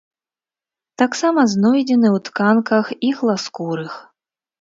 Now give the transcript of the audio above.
Таксама знойдзены ў тканках ігласкурых.